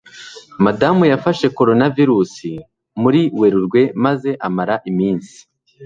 madamu yafashe coronavirus muri werurwe maze amara iminsi